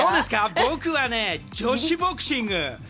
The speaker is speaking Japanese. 僕はね、女子ボクシング。